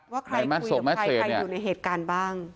ว่าใครคุยกับใครใครอยู่ในเหตุการณ์บ้าง